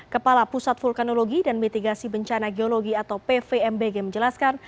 kepala pusat vulkanologi dan mitigasi bencana geologi atau pvmbg menjelaskan